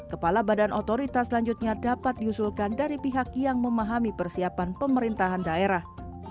kepala badan otorita selanjutnya dapat diusulkan dari pihak yang memahami persiapan pemerintahan daerah